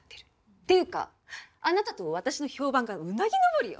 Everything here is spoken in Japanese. っていうかあなたと私の評判がうなぎ登りよ。